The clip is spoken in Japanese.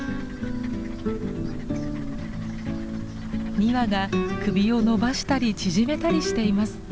２羽が首を伸ばしたり縮めたりしています。